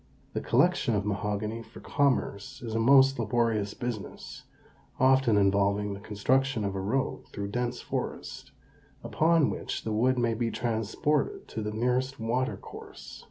The collection of mahogany for commerce is a most laborious business, often involving the construction of a road through a dense forest, upon which the wood may be transported to the nearest water course.